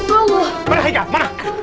kau kemana kau kemana